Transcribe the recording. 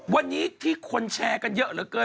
วันนี้ที่คนแชร์กันเยอะเหลือเกิน